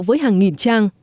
với hàng nghìn trang